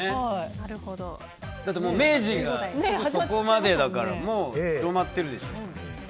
だって明治がそこまでだからもう広まってるでしょ。